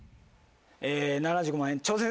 ７５万円。